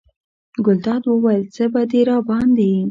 ګلداد وویل: څه به دې راباندې.